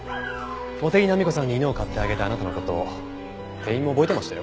茂手木浪子さんに犬を買ってあげたあなたの事を店員も覚えてましたよ。